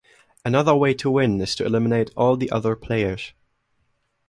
Another way to win is to eliminate all the other players.